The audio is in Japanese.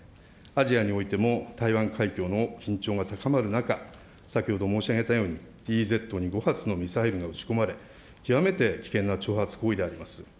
アジアにおいても、台湾海峡の緊張が高まる中、先ほど申し上げたように、ＥＥＺに５発のミサイルが撃ち込まれ、極めて危険な挑発行為であります。